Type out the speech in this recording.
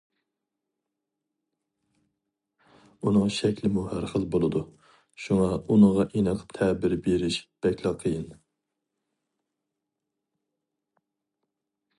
ئۇنىڭ شەكلىمۇ ھەر خىل بولىدۇ، شۇڭا ئۇنىڭغا ئېنىق تەبىر بېرىش بەكلا قىيىن.